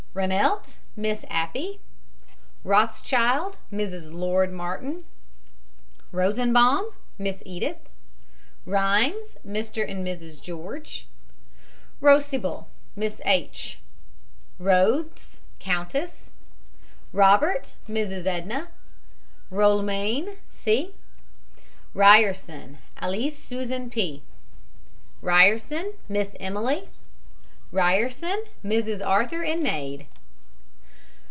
RANELT, MISS APPIE. ROTHSCHILD, MRS. LORD MARTIN. ROSENBAHM, MISS EDITH. RHEIMS, MR. AND MRS GEORGE. ROSIBLE, MISS H. ROTHES, COUNTESS. ROBERT, MRS. EDNA. ROLMANE, C. RYERSON, ALISS SUSAN P. RYERSON, MISS EMILY. RYERSON, MRS. ARTHUR, and maid.